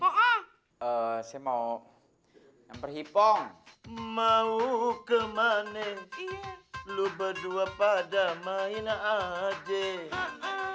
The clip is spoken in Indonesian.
oh oh eh saya mau yang perhipong mau kemana iya lu berdua pada main aja coba lu berdua cari kemana